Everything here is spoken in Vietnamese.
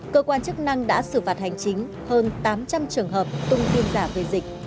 cơ quan chức năng đã xử phạt hành chính hơn tám trăm linh trường hợp tung tin giả về dịch